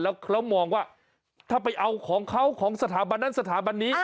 แล้วเขามองว่าถ้าไปเอาของเขาของสถาบันนั้นสถาบันนี้